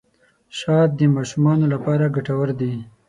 شات د ماشومانو لپاره ګټور دي.